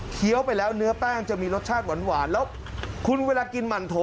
ไปแล้วเนื้อแป้งจะมีรสชาติหวานแล้วคุณเวลากินหมั่นโถ